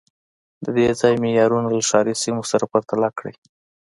د دې ځای معیارونه له ښاري سیمو سره پرتله کړئ